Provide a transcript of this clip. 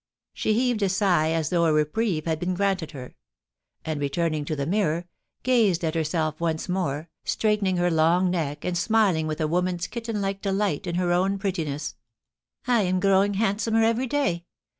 She heaved a sigh as though a reprieve had been granted her ; and returning to the mirror, gazed at herself once more, straightening her long neck, and smiling with a woman's kittenlike delight in her own prettiness. * I am growing handsomer every day.